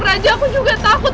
raja aku juga takut